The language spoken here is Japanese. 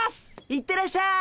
行ってらっしゃい。